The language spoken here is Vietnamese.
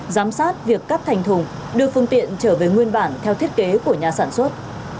giám sát việc cắt thành thùng đưa phương tiện trở về nguyên bản theo thiết kế của nhà sản xuất